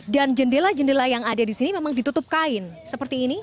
dan jendela jendela yang ada di sini memang ditutup kain seperti ini